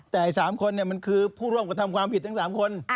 แต่สามคนเนี่ยมันคือผู้ร่วมกับทำความผิดทั้งสามคน